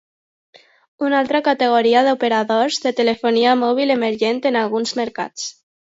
Una altra categoria d'operadors de telefonia mòbil emergent en alguns mercats.